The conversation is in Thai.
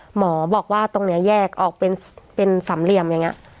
หมอบอกว่าตรงนี้แยกออกเป็นสามเหลี่ยมอย่างนี้